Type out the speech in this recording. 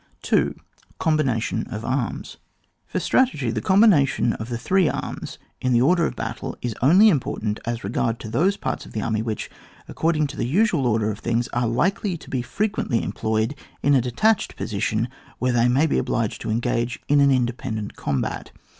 2. — Combination of Arms, For strategy the combination of the three arms in the order of battle is only important in regard to those parts of the army which, according to the usual order of things, are likely to be frequently employed in a detached position, where they may be obliged to engage in an independent combat.